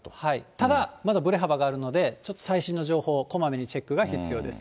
ただ、まだぶれ幅があるので、ちょっと最新の情報を、こまめにチェックが必要です。